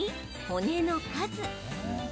骨の数。